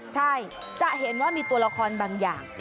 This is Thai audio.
ใช่จะเห็นว่ามีตัวละครบางอย่าง